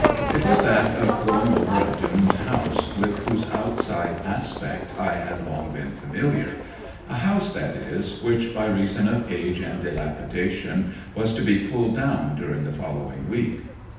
It was that of going over a doomed house with whose outside aspect I had long been familiar a house, that is, which by reason of age and dilapidation was to be pulled down during the following week.